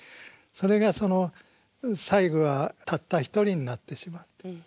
それが最後はたった一人になってしまった。